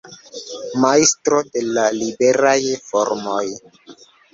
Majstro de la liberaj formoj.